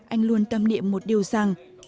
anh luôn tâm niệm một điều rằng